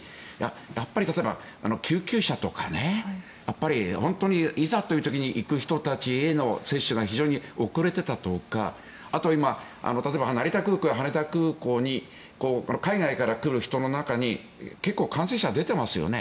やっぱり救急車とか、本当にいざという時に行く人たちへの接種が非常に遅れていたとかあとは今、例えば成田空港や羽田空港に海外から来る人の中に結構、感染者が出ていますよね。